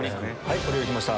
お料理きました